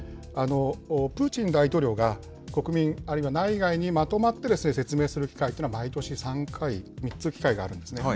プーチン大統領が、国民、あるいは内外にまとまって説明する機会というのは、毎年３回、３つ機会があるんですね。